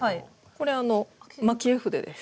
これあの蒔絵筆です。